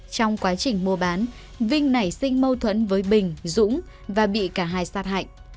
trong quá trình mua bán vinh nảy sinh mâu thuẫn với bình dũng và bị cả hai sát hại